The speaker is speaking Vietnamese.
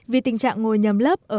vì tình trạng ngồi nhầm lớp ở phố